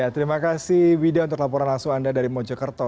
terima kasih wida untuk laporan langsung anda dari mojokerto